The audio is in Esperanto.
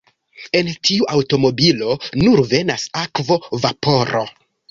El tiu aŭtomobilo nur venas akvo-vaporo.